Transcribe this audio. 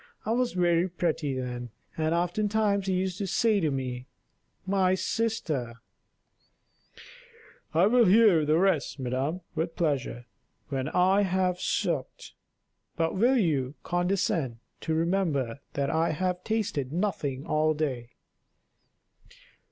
I was very pretty then, and oftentimes he used to say to me, 'My sister '" "I will hear the rest, madam, with pleasure, when I have supped; but will you condescend to remember that I have tasted nothing all day?"